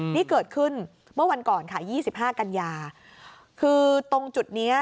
นี่เกิดขึ้นเมื่อวันก่อนค่ะ๒๕กันยาคือตรงจุดเนี้ย